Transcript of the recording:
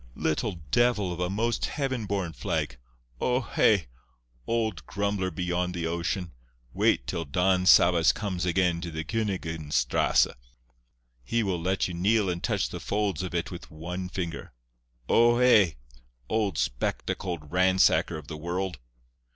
Little devil of a most heaven born flag! O hé! old grumbler beyond the ocean. Wait till Don Sabas comes again to the Königin Strasse. He will let you kneel and touch the folds of it with one finger. O hé! old spectacled ransacker of the world!"